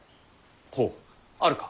ほうあるか。